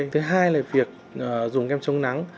thứ hai là việc dùng kem trong nắng